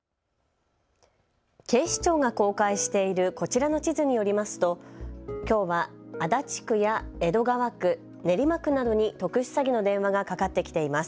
警視庁が公開しているこちらの地図によりますときょうは足立区や江戸川区、練馬区などに特殊詐欺の電話がかかってきています。